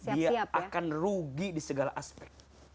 dia akan rugi di segala aspek